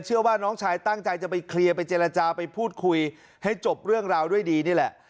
เชื่อว่าน้องชายตั้งใจจะไปเคลียร์ไปเจรจาไปพูดคุยให้จบเรื่องราวด้วยดีนี่แหละ